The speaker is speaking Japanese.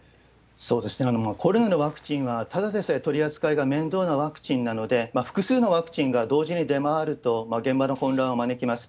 コロナのワクチンは、ただでさえ取り扱いが面倒なワクチンなので、複数のワクチンが同時に出回ると、現場の混乱を招きます。